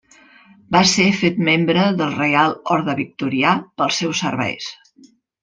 Va ser fet membre del Reial Orde Victorià pels seus serveis.